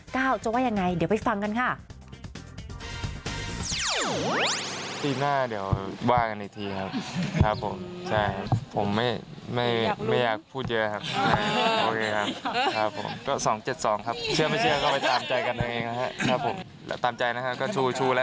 จะว่ายังไงเดี๋ยวไปฟังกันค่ะ